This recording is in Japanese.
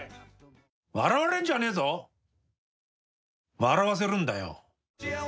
笑われんじゃねえぞ笑わせるんだよ。